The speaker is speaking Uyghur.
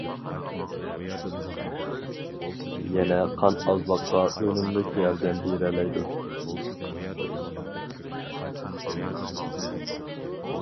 يەنە قان ئازلىققا ئۈنۈملۈك ياردەم بېرەلەيدۇ.